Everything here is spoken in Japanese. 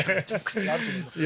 あると思いますけど。